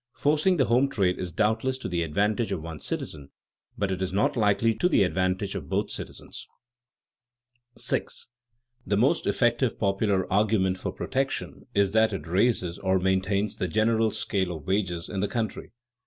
Forcing the home trade is doubtless to the advantage of one citizen, but it is not likely to be to the advantage of both citizens. [Sidenote: The claim that protection raises wages] 6. _The most effective popular argument for protection is that it raises, or maintains, the general scale of wages in the country.